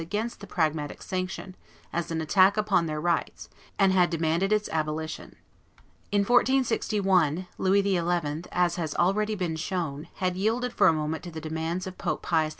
against the Pragmatic Sanction as an attack upon their rights, and had demanded its abolition. In 1461, Louis XI., as has already been shown, had yielded for a moment to the demand of Pope Pius II.